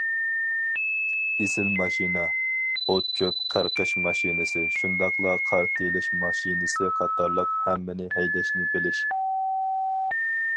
ئېسىل ماشىنا، ئوت چۆپ قىرقىش ماشىنىسى، شۇنداقلا قار تېيىلىش ماشىنىسى قاتارلىق ھەممىنى ھەيدەشنى بىلىش.